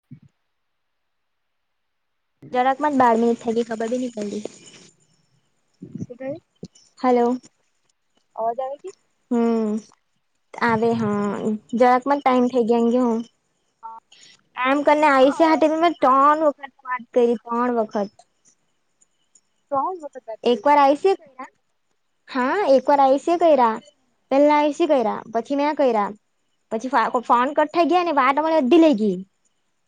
[unintelligible] જરાકમા જ બારનું થાદુ ખબર બી પઇડી. શું ટયુ? હલો. અવાજ આવે છે? હમ્મ, આવે હ, જવાકમાં જ ટાઈમ થઇ ગ્યા હેંગી હ. એમ કરી ને આયુષ્ય હાટે બી મેં તોણ વખત વાત કઇરી, તોણ વખત. તોણ વખત વા એક વાર આયુષ્ય એ કૈરા. હા એકવાર આયુષ્ય કૈરા, પેલા આયુષ્ય કૈરા, પછી મેં કૈરા. પછી ફો ફોન કટ થાઈ ગ્યા, ને વાત અને અધી લઈ ગી.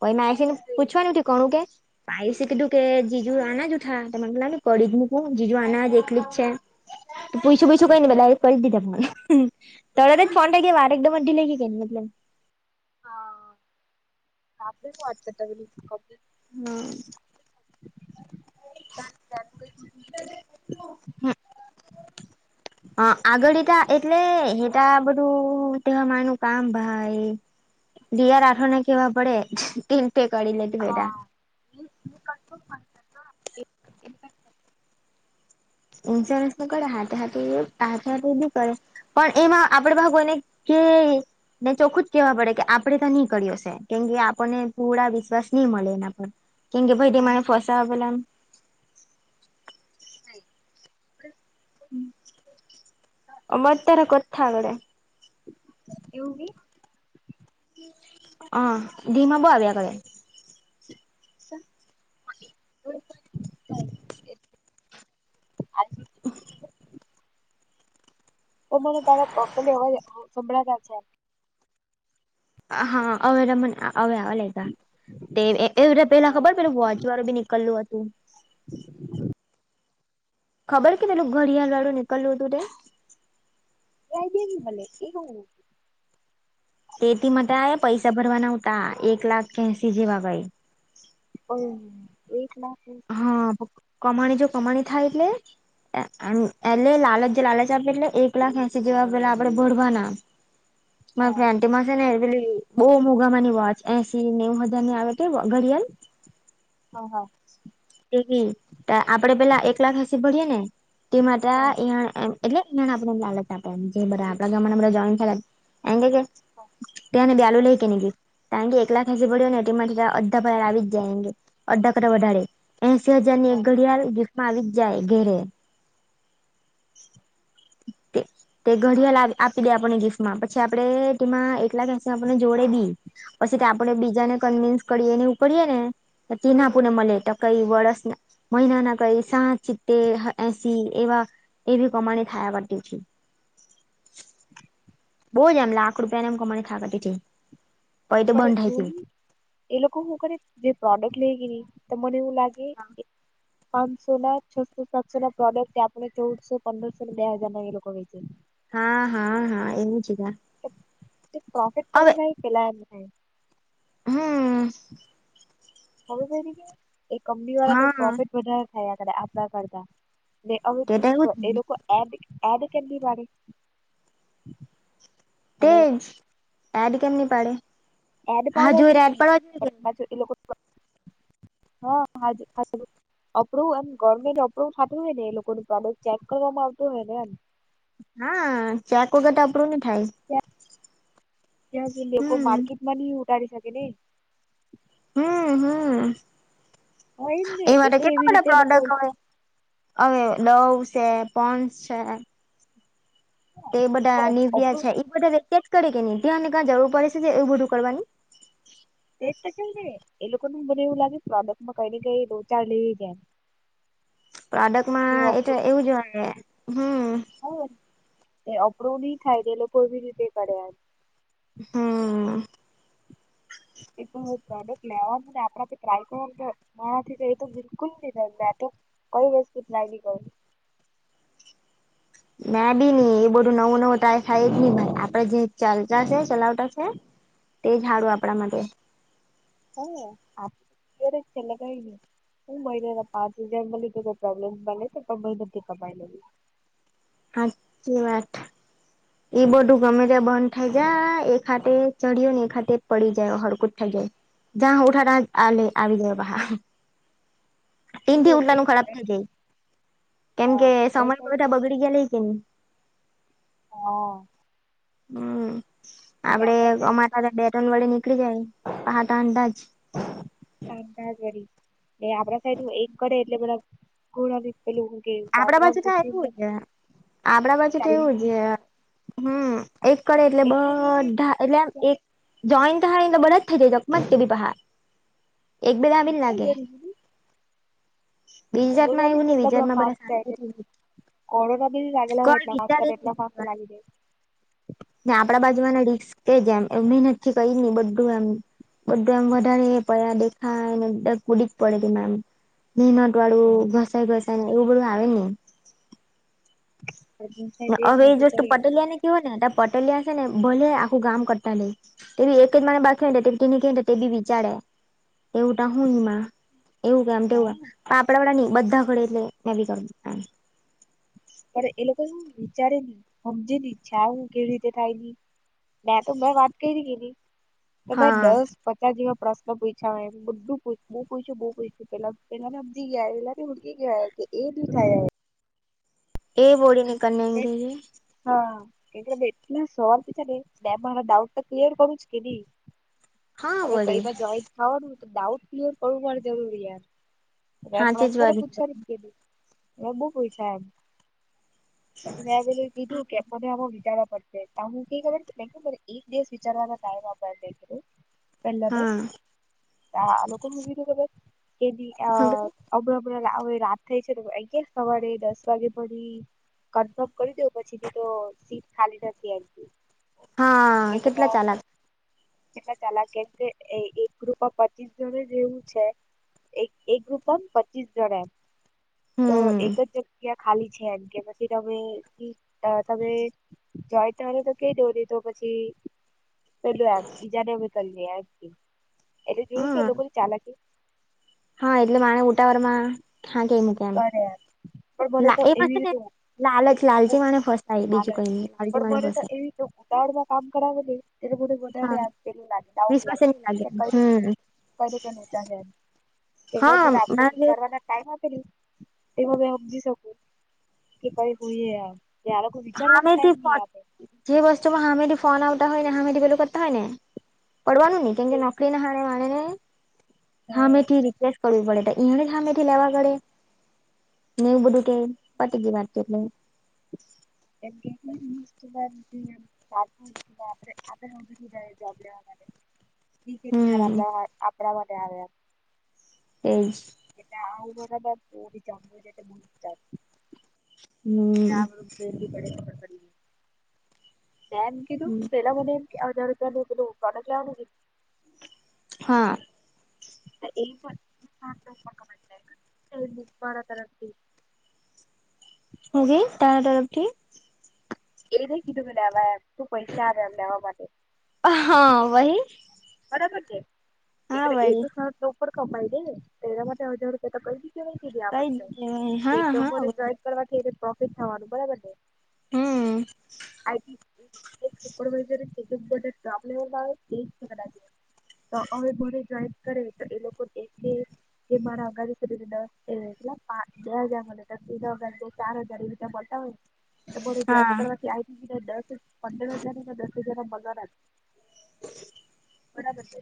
પઈ નાસીને પૂછવાનું કોણું કે? પા આયુષ એ કીધું કે, જીજું આના જ ઉઠા, તો મને તો લાગે પડી ગ્યું હું જીજુ આના જ એકલી જ છે, તો પુઈસું બુઇસું કઈ ની બધાએ કરી જ દીધા ફોન. તળત જ ફોન ટકી કે વાર એકદમ અઢી લઈ ગી કે ની એટલે. હા, આપણે શું વાત કરતા પેલી કપિલ હમ્મ. ત ત કઈું [unintelligible] [unintelligible] હ આગળ ઇટા એટલે, હેતા બધું તેવા માનું કામ ભાઈ દીયા રાઠોડ ને કેવા પડે, તેન ટે કણી લે તે બેટા. પૂ પૂ કફમ [unintelligible] ઇન્સ્યોરન્સ નું કરે હાથે હાથે એવું હાથે હાથે એ બી કરે. પણ એમાં આપડે ભાગ કોયને કે ને ચોખું જ કેહેવા પડે કે આપડે તા ની કર્યો હશે, કેમ કે આપણને પૂડા વિશ્વાસ ની મલે એના પર. કેમ કે ભઈ ટમા ફસાવા પલામ થાઈ પણ હમ્મ, અમાર તારા કથા લઢે. એવું કી? હમ અ ધીમા બો આવ્યા કરે. [unintelligible] આસી [unintelligible] તો મને તારા પ્રોપરલી અવાજ સંભળાતા છે. હા અવે અવે [unintelligible] તે એવ તે એ પેલા ખબર પેલુ વોચ વાળું બી નીકળલું હતું. ખબર કે પેલું ઘડિયાળ વાળું નીકલું હતું તે. યાદી ની મલે, એહુ. તેતી મતાએ પૈસા ભરવાના આવતા, એક લાખ કે એહસી જેવા ભાઈ. ઓવ! એક લાખ એ હ પ, કમાણી જો કમાણી થાય એટલે! એ આણું એલે લાલચ જે લાલચ આપે એટલે, એક લાખ એહસી જેવા પેલા આપડે ભરવાના. ના હા પ્રાન. તેમાંસે ને પેલી બો મોઘામાની વોચ એસી નેવ હજાર ની આવે તે ઘડિયાલ. હ હા. એ આપડે પેલા એક લાખ એસી ભરીએ ને તે માટે ઈયા એટલે એને આપણે લલટ આપે એન કે આપડા ગામ બઘા જોઈન થેલા એમ કે તેને બેયા [unintelligible] એકલા ખેસી પડ્યો ને એ માટે અડધા પર આવી જાય અડધા કરતા વધારેે. એસી હજાર ની એક ઘડિયાલ ગીફ્ટ માં આવીજ જાય ઘેરે. તે. તે ઘડિયાળ આવે આપી દેય આપણને ગિફ્ટમાં પછી આપડે તેમાં એકલાક એસી આપણને જોડે બી. પછી ત આપડે બીજાને કન્વીન્સ કરી ને એવું કરીએ ને તીના આપુનને મળે ટકઈ વળસ ના મહિના ના કઈ સાઠ સિત્તે એસી એવા એવી કમાણી થાયા કરતી હતી. [unintelligible] બોજ આમ લાક રૂપિયા નેએમ કમાણી થાયા કરતી હતી. પહી તો પણ બંધ જો થઈ ગયું ની એ લોકો હું કરી જે પ્રોડક્ટ લઈ કે ની તો મને એવું લા ગે પાંચસો ના છસો સાતસો ના પ્રોડક્ટ આપણને ચૌદસો પંદરસો ને બે હાજાર ના એ લોકો વેચે. હા હા હા એવું છેકે પ્રોફિટ કોને થાય પેલા એમને. હમ. ખબર પૈડી કે એ કંપની વાળાને હા પ્રોફિટ વધારે થાય આપડા કરતા. ને હવે તે ત તો એવું એ જ લોકોડ એડ કે એડ કેમની વાડે. તેજ એડ કેમ ની પાડે એડ હા પાડવા જોઈએ જોઈ એડ કે પાડવા નહી જોઈએ પાછો એ લોકો [unintelligible] હા હાજ હાજ. અપ્રુવ એમ ગવર્મેન્ટ અપ્રુવ થાતું હોય ને એ લોકો પ્રોડક્ટ ચેક કરવામાં આવતો હોય ને એમ. હા ચેક વગર ત આપરું ની થાય. ત્યાં સુધી લોકો હમ માર્કેટમાં નિ ઉટારી શકે ને. હમ હમ હા એજ ને એ માટે એટલે કેટલા એવી બધા રીતે એ લોકો પ્રોડક્ટ હોય. હવે ડવ છે, પોન્સ છે. તે એ લોકો બધા અપ- નેવ્યા અપરોચ છે એ બધા ક્યા જ કરે કે ને તેઓને ક્યા જરૂર પડે છે એવું બધું કરવાની. તેજ તો કેમ એ લોકોનુ મને એવું લાગે પ્રોડક્ટમાં કઈ ને કઈ લોચા લેય જાય. કે પ્રોડક્ટમાં એ તો એવું જ હોયે. હમઅઅઅ. હ એ અપ્રુવ નઈ થાય, તે લોકો એવી રીતે કરે. હમ. એ તો પ્રોડક્ટ લેવા પડે આપડાથી ટ્રાય કરવા ન ત. મારાથી ત એ તો બિલકુલ ની થાય, મે ત કઈ વસ્તુ ટ્રાય ની કરુ. મે બી ની એ બધું નવું નવું તાય થાય જ ની ભઈ, આપડે જે ચાલતા છે ચલાવતા છે. તે જ હાડું આપડા માટે. હા આપ્યરજ છે એટલે કઈ ની. હું મહિનાના પાંચ હજાર મલી તોઈ પ્રોબ્લેમ મલે કે તો [unintelligible] કમાઈ લેવ. હાચી વાત. એ બધું ગમે ત બંધ ઠઇ જાય. એક હાટે ચઢ્યો ને એક હાટે પડી જાય, હડકું જ થઇ જાય. જાં ઉઠા ટા જ આલે આવી દે બાહા. ટીન થી એવું ઉટલા એ નુ ખરાબ થઇ આપણે જાય, કેમ કે હા આપણા સમન સાઈડ બધા બગડી ગયા લે કેની. હ હમ, કે આપડે આપણા સાઈડ અમા ટા ત બે એ ટન વડે ની પકડી જાય. પાહા ટાન તાજ. કામકાજ વળી એ આપડા સાઈડ એક કરે એટલે બધા [unintelligible] પેલું કે આપડા વાંદરાનુ બાજુ થાય પૂછડુ ની એવું જેમ. છે આપડા બાજુ તો એવું છે હમ એક કરે એટલે બધા એટલે એમ એક જોઈન થાય એટલે બધા જ થઈ જાય [unintelligible] તે ભી પાહા. એક બે વાર જ લાગે. બીજી જાતમાં એવું [unintelligible] નહી એટલા બીજી બધા જાતમાં ફાસ્ટ જાય તે [unintelligible] શાંતિથી [unintelligible] એટલા કઈ ફાસ્ટ વિચારે કરે નહી એટલા ફાસ્ટ લાવી દેય. ને આપડા બાજુમાંને રીસ્ક જ એમ મહેનત થી કઈ ની બધું એમ. બધુ એમ વધારે પડયા દેખાયને બ કૂદી જ પડે તેમા એમ. ધીમા કળું ઘસાય ઘસાય ને એવું બધું આવે જ ની. હજુ હવે એ જ વસ્તુ કરે પણ પટેલિયા ને કેહવા ને તો પટેલિયા સે ને ભલે આખું ગામ કરતા રેઈ. તે બી એક જ માણહ બાકી હોય ને તો તેને કેય ને તો તે બી વિચારેે, એવુ તો હુ ઈમા. એવું કે એમ કેવું આપડા વાળા ની બધા ઘડે એટલે મે બી કરુ એમ. ત્યારે એ લોકો હુ વિચારે જ ની હમજે ની ઈછા આવું કેવી રીતે થાય ની ને આ તો મેં વાત કયરી કેની તેમા હા દસ પચાસ જેવા પ્રશ્ન પૂયછા અહે બધુ બો પૂયછું બો પૂયછું પેલા પલાને હમજી ગયા પેલા ઉડકી ગયા હે કે એ દિખાયા હે. એ બોલનેકા [unintelligible] હા એ એટલા સોફ્ટ છેને મે મારા ડાઉટ તો ક્લિયર કરું જ કે ની. [inaudible] હવે કઈ બોડી માં જોઈન્ટ થવાનું તો ડાઉટ ક્લિયર કરવું પણ જરૂરી એમ. મેં હાચી જ પ્રશ્ન વાત પૂછવાની જ કે ની એ બો પૂયછા એમ. પછી મેં એને કીધું કે મને આમા વિચારવા પડશે તો હું કઈ મે કુ મને એક દિવસ વિચારવાનો ટાઈમ આપો મેં કીધું. [inaudible] પેલા તો આ આ લોકો એ હું કીધુ ખબર કે દી અ અમણે અમણે હવે રાત થેય છે તો [unintelligible] હવારે દસ વાગે ભરી કન્ફર્મ કરી દેવ પછીથી તો સીટ ખાલી નથી એમ કેય. હા કેટલા કેગંટા. ચાલાક કેટલા ચાલાક એમ કેય એક ગ્રુપમાં પચીસ જણ જ એવું છે. એક એક ગ્રુપમાં પચીસ જણા તો હમ એક જ જગ્યા ખાલી છે એમ કે બસ. કે તમે ભી તમે જાઈ ત્યારે તો કેઈ દો ની તો પછી પેલું એમ બીજાને અમે કરીયે એમ કેય એટલે જોયું કે એ હા લોકોની ચાલાકી. હા એટલે માણહ ઉતાવળમાં હા કેય મૂકે. કરે એમ. પણ મને તો એમાં એવી છે ને રીતે લાલચ લાલચી માણે ફસાય હાલ બીજું જ કઈ નઈ લાલચી પણ માણે મને તો ફસાય એવી તો ઉતાવડમાં કામ કરાવેને એટલે મને [inaudible] હા વિશ્વાસે નહી લાગે હમ એને હો હા બધા આપડને મારે વિચારવાના કાય હો પેલી તેમા મે હમજી શકું કે કઈ હુયે એમ. કે આ લોકો વિચારવા નો હામેથી ટાઈમ ની આપે. જે વસ્તુમાં હામેથી ફોન આવતા હોયને હામેથી બધુ કરતા હોય ને. પડવાનું નહી કેમકે કે નોકરી ના હારે માણેને હામે થી રિકપ્લેસ કરવી પડે એને સામેથી લેવા ગડે ને એવું બધું કે પતી ગઈ વાત છે એટલે. એમ કેય કઈ ઈષ્ટમેન હમ આપરે તો આપરે ઉભી થેઈ જાઈએ જોબ લેવા માટે. વીતે ત્યારે હમ આપ આપણા માટે આવે એમ એમ એટલે આ [unintelligible] હમ બેલી પડે પડી તુ એમ કીધું પેલા મનેમ કે નું [unintelligible] હા. એ પણ [unintelligible] મારા તરંતથી અરે તારા તરફથી એ જ કીધું કે લેવાયમ તું પૈસા આવે એમ લેવા માટે. હા વહી. બરાબર છે હા એ વળી તો શ ઉપર કમાઈ દે તો એના માટે હજાર કઈ કઈ દીધી વહી હા દિધા હા વળી [unintelligible] કરવા પ્રોફિટ થવાનું બરાબર ને હમ. [unintelligible] તો હવે ભરે જોઈન કરે તો એ લોકો એક કે મારા [unintelligible] એટલા બે હજાર ચાર હજાર તમાને જોઈન હા કરવાથી આવીને દસ પંદર હજાર દસ હજાર ના પગાર આપે [inaudible] બરાબર છે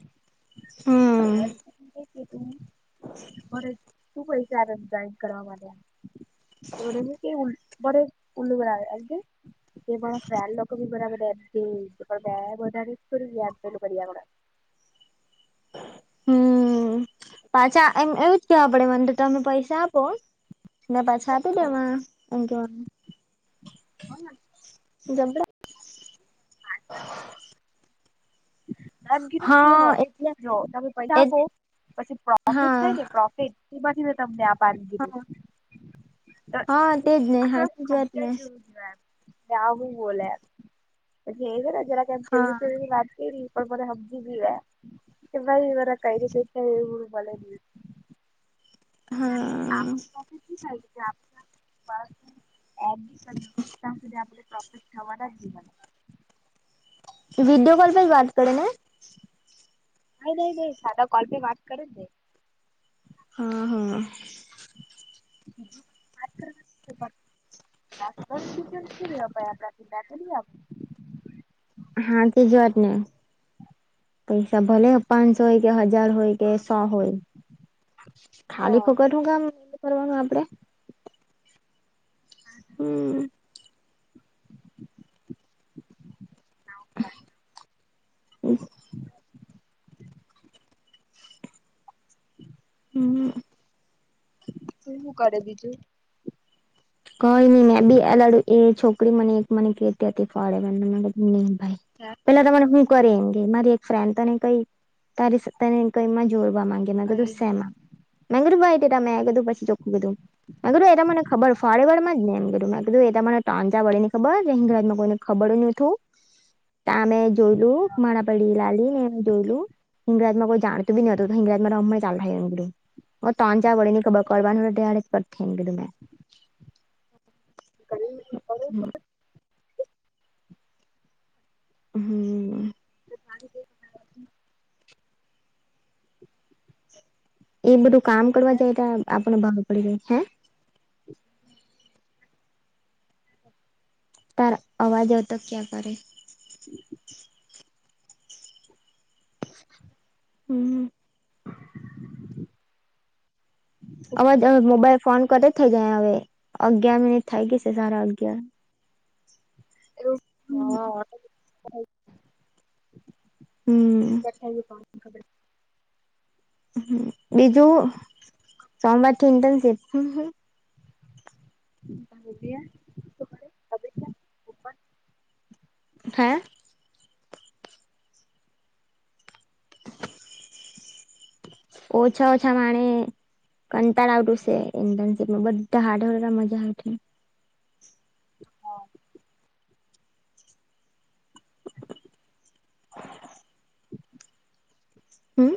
હમ [unintelligible] શું પૈસા આલે છે જોઈન કરવા માટે તો મને કે બડ ઉલું બનાવે એ કે મારા ફેન્ડ લોકો ગના બધા [unintelligible] હમ પાછા એમ એવું જ કેવા પડે મને તો તમે પૈસા આપ ફ ને પાછા આપી દેવા એમ કેવાનું. [unintelligible] [unintelligible] [inaudible] મેમ કીધું કે હ હા એટલે જો તમે પૈસા આપો એટલે પછી પ્રોફિટ થાય હા ને પ્રોફિટ એમાંથી તમને આપ નું કીધું હા તો એ હા તેજ ને આખ હાચી જ વાત ને [unintelligible] આ હું બોલે પછી એ ને જરા [unintelligible] હા સુધની વાત પણ મને સમજી ગયા કે ભાઈ મારા કઈ કઈ થાય એવું મને હા [inaudible] [unintelligible] ત્યા સુધી પ્રોફિટ થવાના વિડિયો કોલ પર વાત કરે ને. નહી નહી ન સાદા કોલ પે વાત કરે જ ને. હમ હમ. [inaudible] [unintelligible] હાચી વાત ને પૈસા ભલે પાંચસો હોય કે હજાર હોય. કે સ હોય ખાલી ફોકટ શું કરવાનું આપડે. હમ. [inaudible] [inaudible] તું હું કરે બીજું કઈ નઈ મેં બી એ લડુ એ છોકરી મને એક મને કેતી હતી ફાળે હે પેલા તમારે હું કરી એમ ગ મારી એક ફ્રેન્ડ તને કઈ તારી તને કઈમાં જોડવા માંગે મે કીધું કઈ નહીં સેમા મેં કીધું પછી ચોખું કીધું એ મને ખબર મે કીધું એ તમારે ટાંચા વળેની ખબર [unintelligible] કોઈને ખબર જ નતું ત્યાં અમે જોયલું માણા પડી લાલી ને જોયલું. હિંગરાજમાં કોઈ જાણતું નતું હિંગરાજમાં [unintelligible] [unintelligible] [inaudible] હમ. ક [inaudible] [unintelligible] એ બધું કામ કરવા જાય તો આપણે બહાર પડી જાય હે હમ [unintelligible] તાર આવાજ તો ક્યા કરે હ [inaudible] હમ હમ અવાજ હા આ મોબાઈલ ફોન કર થઇ જાય હવે અગયાર મિનિટ થઈ ગઈશે સારા અગિયાર એવું હમ હ ખબર હ બીજું સોમવાર થી ઇન્ટર્નશીપ રૂપિયા હે ઓછા ઓછા માણે કંટાળા આવટું સે ઇડનશીપમાં બધા હાડ મજા આવી હા હા હમ